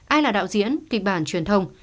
ai là đạo diễn kịch bản truyền thông